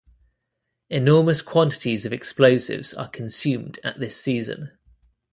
Enormous quantities of explosives are consumed at this season.